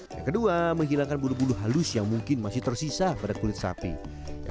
yang kedua menghilangkan bulu bulu halus yang mungkin masih tersisa